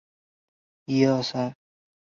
其领地的另一部分改称湖阳。